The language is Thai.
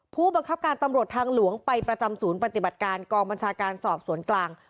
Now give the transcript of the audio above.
ผู้บังคับการตำรวจทางหลวงไปประจำศูนย์ปฏิบัติการกองบัญชาการสอบสวนกลาง